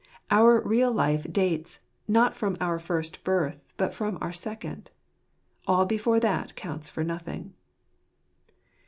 Our real life dates, not from our first birth, but from our second. All before that counts for nothing.